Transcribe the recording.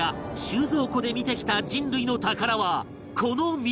収蔵庫で見てきた人類の宝はこの３つ